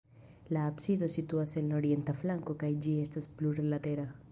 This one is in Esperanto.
La absido situas en la orienta flanko kaj ĝi estas plurlatera.